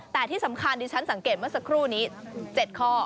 แต่ที่สำคัญฉันสำเกตว่าสกรูนี้๗ข้อ